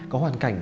có hoàn cảnh